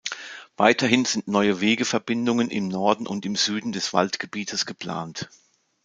Weiterhin sind neue Wegeverbindungen im Norden und im Süden des Waldgebietes geplant.